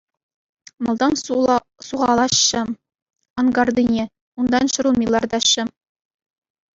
Малтан сухалаҫҫӗ анкартине, унтан ҫӗр улми лартаҫҫӗ.